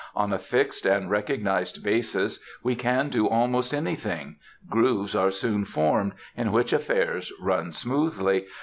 On a fixed and recognized basis we can do almost anything; grooves are soon formed, in which affairs run smoothly.